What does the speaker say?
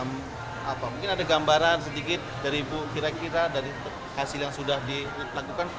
mungkin ada gambaran sedikit dari ibu kira kira dari hasil yang sudah dilakukan